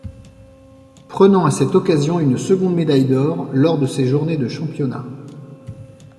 Prenant à cette occasion une seconde médaille d'or lors de ces journées de championnats.